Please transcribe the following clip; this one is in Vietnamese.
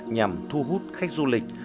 nhằm thu hút khách du lịch